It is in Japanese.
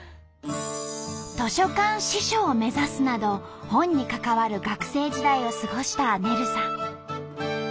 図書館司書を目指すなど本に関わる学生時代を過ごしたねるさん。